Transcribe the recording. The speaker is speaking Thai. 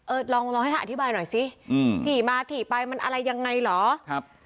เออลองให้อธิบายหน่อยซิถี่มาถี่ไปมันอะไรยังไงเหรอ